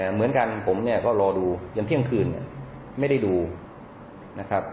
เหมือนกันผมเนี่ยก็รอดูจนเที่ยงคืนเนี่ยไม่ได้ดูนะครับ